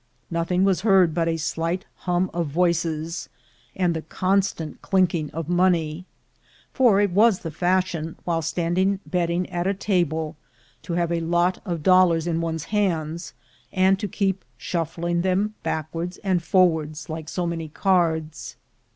Nothing was heard but a slight hum of voices, and the con stant clinking of money; for it was the fashion, while standing betting at a table, to have a lot of dollars in one's hands, and to keep shuffling them backwards and forwards like so many cards.